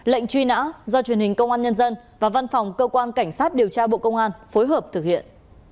lệnh truy nã do truyền hình công an nhân dân và văn phòng cơ quan cảnh sát điều tra bộ công an phối hợp thực hiện